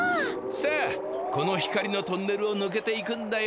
さあこの光のトンネルを抜けていくんだよ。